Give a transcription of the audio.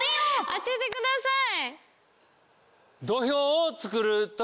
当ててください！